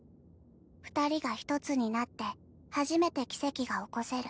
二人が一つになって初めて奇跡が起こせる。